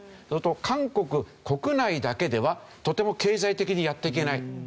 そうすると韓国国内だけではとても経済的にやっていけない。